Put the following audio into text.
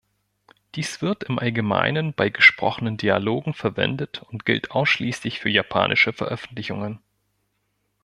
Dies wird im Allgemeinen bei gesprochenen Dialogen verwendet und gilt ausschließlich für japanische Veröffentlichungen.